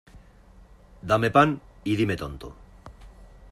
Dame pan, y dime tonto.